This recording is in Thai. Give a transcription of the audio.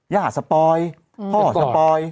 ย่าสปอยพ่อสปอย